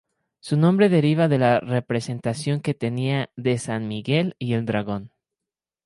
Su nombre deriva de la representación que tenía de San Miguel y el dragón.